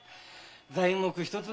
材木一つ